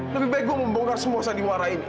lebih baik gue membongkar sumur sandiwara ini